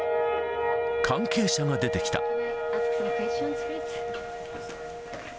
関係者が出てきた。